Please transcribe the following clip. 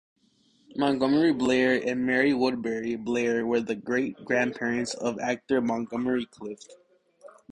Montgomery Blair and Mary Woodbury Blair were the great-grandparents of actor Montgomery Clift.